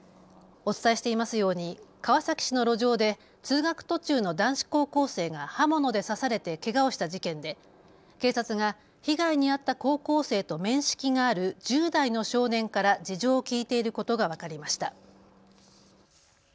お伝えしていますように川崎市の路上で通学途中の男子高校生が刃物で刺されてけがをした事件で、警察が被害に遭った高校生と面識がある１０代の少年から事情を聴いていることが分かりました。